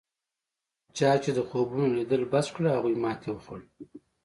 چا چې د خوبونو لیدل بس کړل هغوی ماتې وخوړه.